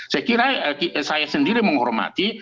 saya kira saya sendiri menghormati